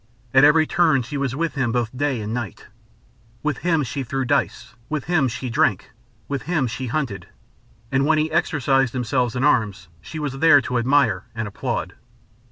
At every turn she was with him both day and night. With him she threw dice; with him she drank; with him she hunted; and when he exercised himself in arms she was there to admire and applaud.